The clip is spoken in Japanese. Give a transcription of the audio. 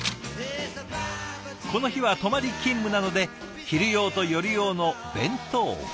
この日は泊まり勤務なので昼用と夜用の弁当２つ。